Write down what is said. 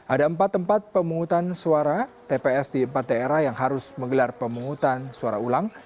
ada empat tempat pemungutan suara tps di empat daerah yang harus menggelar pemungutan suara ulang